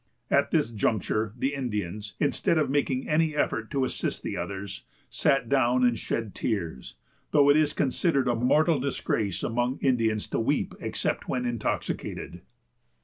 At this juncture, the Indians, instead of making any effort to assist the others, sat down and shed tears, though it is considered a mortal disgrace among Indians to weep except when intoxicated.